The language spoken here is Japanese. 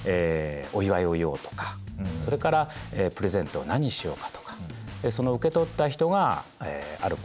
お祝いを言おうとかそれからプレゼントは何にしようかとかその受け取った人がある行動を取る判断